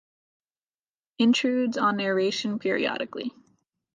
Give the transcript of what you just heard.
Intrudes on narration periodically.